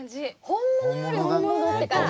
本物より本物っていう感じね。